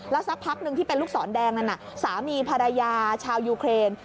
สักพักหนึ่งที่เป็นลูกศรแดงนั้นสามีภรรยาชาวยูเครน